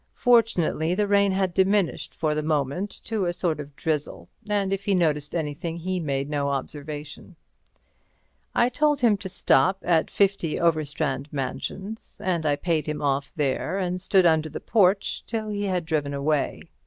Fortunately the rain had diminished for the moment to a sort of drizzle, and if he noticed anything he made no observation. I told him to stop at 50 Overstrand Mansions, and I paid him off there, and stood under the porch till he had driven away.